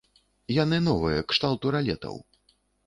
Яны новыя, кшталту ралетаў.